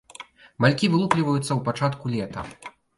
Малькі вылупліваюцца ў пачатку лета.